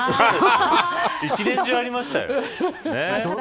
一年中ありましたよ。